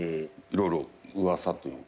色々噂というか。